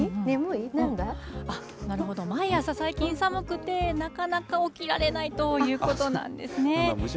なるほど、毎朝、最近、寒くて、なかなか起きられないということなんですね。